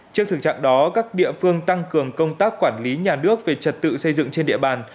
trước thực trạng đó các địa phương tăng cường công tác quản lý nhà nước về trật tự xây dựng trên địa bàn